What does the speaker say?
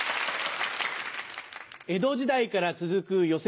江戸時代から続く寄席。